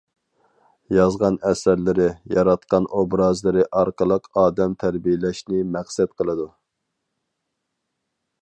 يازغان ئەسەرلىرى، ياراتقان ئوبرازلىرى ئارقىلىق ئادەم تەربىيەلەشنى مەقسەت قىلىدۇ.